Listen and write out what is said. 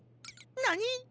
なに？